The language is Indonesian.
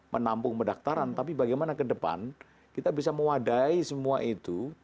menampung mendaktaran tapi bagaimana ke depan kita bisa mewadai semua itu